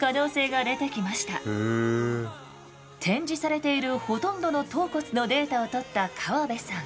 展示されているほとんどの頭骨のデータを取った河部さん。